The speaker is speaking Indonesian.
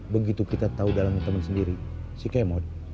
begitu kita tahu dalam teman sendiri si kemot